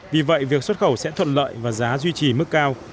vì vậy việc xuất khẩu sẽ thuận lợi và giá duy trì mức cao